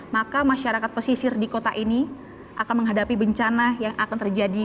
maka masyarakat pesisir di kota ini akan menghadapi bencana yang akan terjadi